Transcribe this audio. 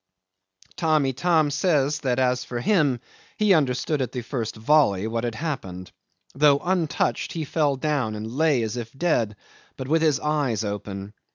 'Tamb' Itam says that, as for him, he understood at the first volley what had happened. Though untouched he fell down and lay as if dead, but with his eyes open.